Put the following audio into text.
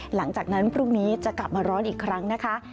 หลังจากนั้นพรุ่งนี้จะกลับมาร้อนอีกครั้งนะคะ